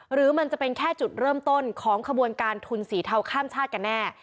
หรือมันจะเป็นแค่จุดเริ่มต้นของขบวนการทุนสีเทาข้ามชาติกันแน่